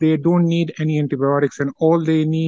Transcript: mereka tidak membutuhkan apa apa penyakit